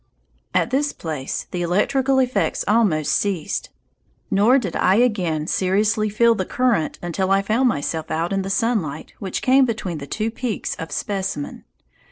At this place the electrical effects almost ceased. Nor did I again seriously feel the current until I found myself out in the sunlight which came between the two peaks of Specimen.